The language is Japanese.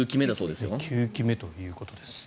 ９期目だということです。